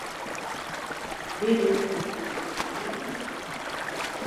Binne jo fan doel om hjir te bliuwen?